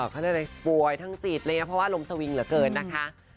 เขาเรียกว่าป่วยทั้งจิตเพราะว่าลมสวิงเหลือเกินนะคะ